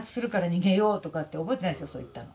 そう言ったの。